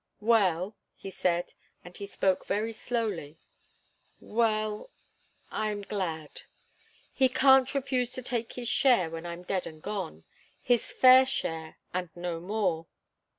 "Well," he said, and he spoke very slowly "well I'm glad. He can't refuse to take his share when I'm dead and gone his fair share and no more."